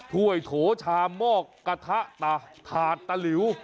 ถ้วยโถชามอกกระทะถาดตะหลิว